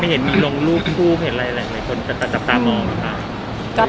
ไม่เห็นผิดกระดูกนะครับ